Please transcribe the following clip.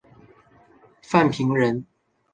范平人。